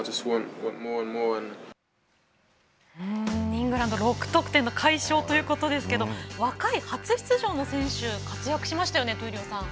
イングランド６得点の快勝ということですが若い初出場の選手が活躍しましたね、闘莉王さん。